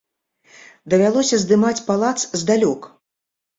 Давялося здымаць палац здалёк.